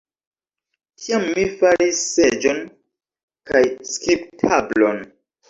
Tiam mi faris seĝon kaj skribtablon.